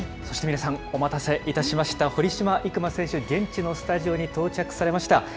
そして皆さん、お待たせいたしました、堀島行真選手、現地のスタジオに到着されました。